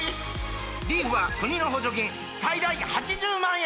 リーフは国の補助金最大８０万円！